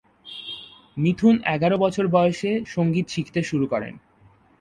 মিথুন এগারো বছর বয়সে সঙ্গীত শিখতে শুরু করেন।